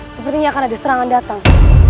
sepertinya akan ada serangan datang